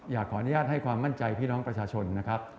ขออนุญาตให้ความมั่นใจพี่น้องประชาชนนะครับ